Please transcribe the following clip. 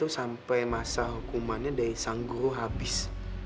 sampai masa hukumannya day sang guru habis